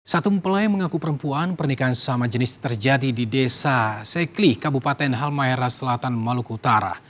satu mempelai mengaku perempuan pernikahan sesama jenis terjadi di desa sekli kabupaten halmahera selatan maluku utara